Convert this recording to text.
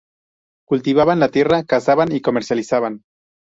Cultivaban la tierra, cazaban y comerciaban.